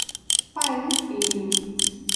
Paim Filho